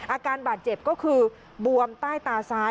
อาการบาดเจ็บก็คือบวมใต้ตาซ้าย